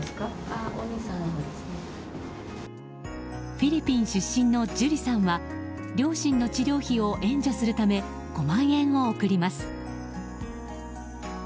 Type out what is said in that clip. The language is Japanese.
フィリピン出身のジュリさんは両親の治療費を援助するため５万円を送ります。